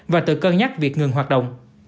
và tự cân nhắc việc ngừng hoạt động